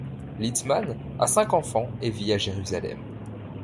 Litzman a cinq enfants et vit à Jérusalem.